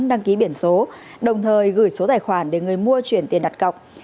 đăng ký biển số đồng thời gửi số tài khoản để người mua chuyển tiền đặt cọc